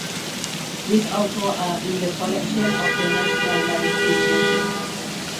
These also are in the collection of the National Maritime Museum.